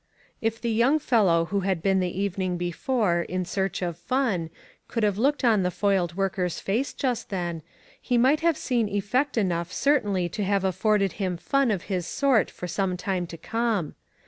If the young fellow who had been the evening before in search of fun could have looked on the foiled worker's face just then, he might have seen effect enough certainly to have afforded him fun of his sort for some time to come.